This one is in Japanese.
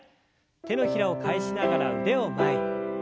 手のひらを返しながら腕を前に。